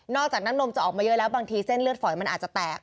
จากนั้นนมจะออกมาเยอะแล้วบางทีเส้นเลือดฝอยมันอาจจะแตก